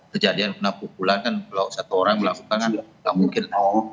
kejadian pukulan kan kalau satu orang melakukan kan tidak mungkin